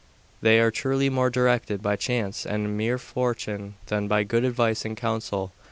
They are truly more directed by chance and mere fortune than by good advice and counsel.